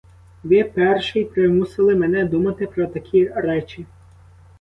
Ви перший примусили мене думати про такі речі.